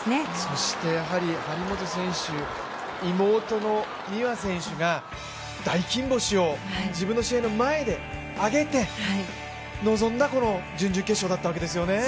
そして張本選手、妹の美和選手が大金星を、自分の試合の前で挙げて臨んだ準々決勝だったわけですよね。